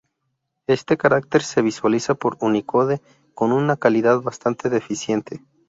Este carácter se visualiza por unicode con una calidad bastante deficiente.